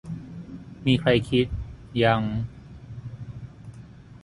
มีใครคิด ยัง